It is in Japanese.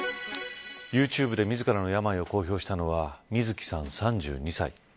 ユーチューブで自らの病を公表したのはみずきさん、３２歳。